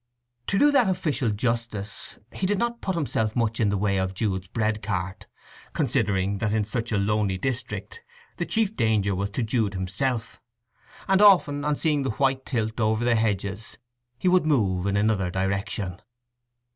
To do that official justice, he did not put himself much in the way of Jude's bread cart, considering that in such a lonely district the chief danger was to Jude himself, and often on seeing the white tilt over the hedges he would move in another direction.